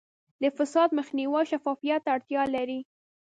د فساد مخنیوی شفافیت ته اړتیا لري.